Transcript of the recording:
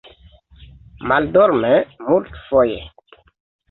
Maldorme, multfoje.